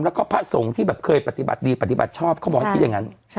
แล้วก็พระสงฆ์ที่แบบเคยปฏิบัติดีปฏิบัติชอบเขาบอกให้คิดอย่างนั้น